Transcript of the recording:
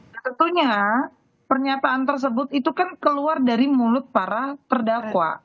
nah tentunya pernyataan tersebut itu kan keluar dari mulut para terdakwa